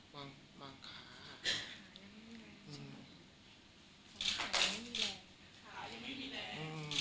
ขายังไม่มีแรง